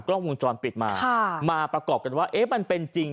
กล้องวงจรปิดมาค่ะมาประกอบกันว่าเอ๊ะมันเป็นจริง